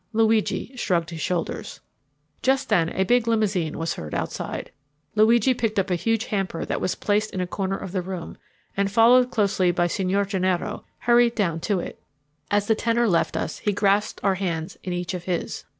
Luigi shrugged his shoulders. Just then a big limousine was heard outside. Luigi picked up a huge hamper that was placed in a corner of the room and, followed closely by Signor Gennaro, hurried down to it. As the tenor left us he grasped our hands in each of his.